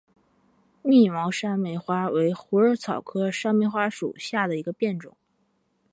密毛山梅花为虎耳草科山梅花属下的一个变种。